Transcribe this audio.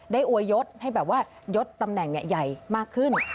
อวยยศให้แบบว่ายดตำแหน่งใหญ่มากขึ้น